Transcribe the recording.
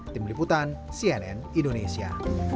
tim liputan cnn indonesia